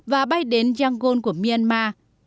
và bay đến yangon của myanmar